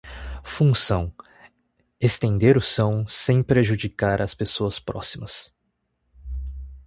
Função: estender o som, sem prejudicar as pessoas próximas.